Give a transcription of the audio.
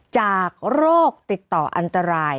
โรคติดต่ออันตราย